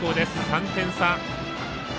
３点差。